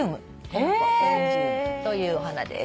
この子エリンジウムというお花です。